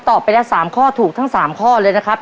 ไปแล้ว๓ข้อถูกทั้ง๓ข้อเลยนะครับ